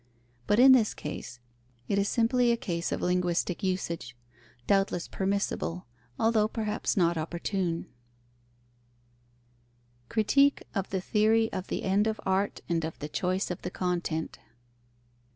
But in this case, it is simply a case of linguistic usage, doubtless permissible, although perhaps not opportune. _Critique of the theory of the end of art and of the choice of the content.